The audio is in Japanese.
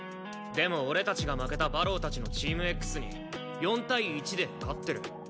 でも俺たちが負けた馬狼たちのチームＸに４対１で勝ってる。